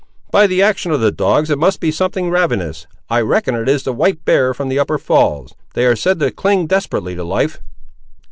By the action of the dogs it must be something ravenous; I reckon it is the white bear from the upper falls. They are said to cling desperately to life!"